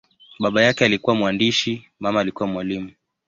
Baba yake alikuwa mwandishi, mama alikuwa mwalimu.